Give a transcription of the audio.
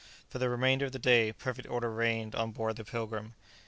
For the remainder of the day perfect order reigned on board the "Pilgrim."